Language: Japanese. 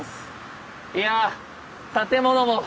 いやぁ建物も。